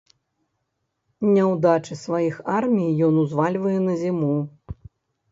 Няўдачы сваіх армій ён узвальвае на зіму.